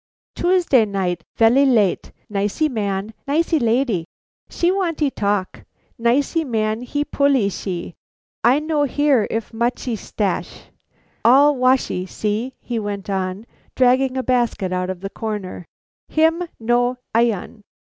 "Tuesday night, velly late; nicee man, nicee lalee. She wantee talk. Nicee man he pullee she; I no hear if muchee stasch. All washee, see!" he went on, dragging a basket out of the corner, "him no ilon."